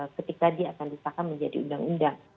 ketika dia akan disahkan menjadi undang undang